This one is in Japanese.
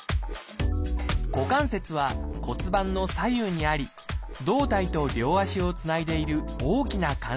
股関節は骨盤の左右にあり胴体と両足をつないでいる大きな関節です。